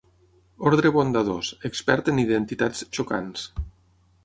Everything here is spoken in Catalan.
Ordre bondadós, expert en identitats xocants.